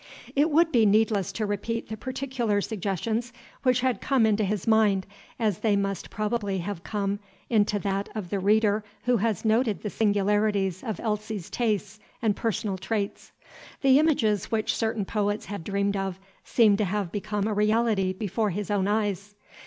It would be needless to repeat the particular suggestions which had come into his mind, as they must probably have come into that of the reader who has noted the singularities of Elsie's tastes and personal traits. The images which certain poets had dreamed of seemed to have become a reality before his own eyes.